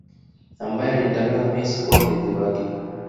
Ambaye alimtangaza Messi kuwa mrithi wake